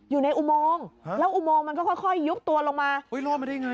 อยู่ในอุมองแล้วอุมองมันค่อยยุบตัวลงมา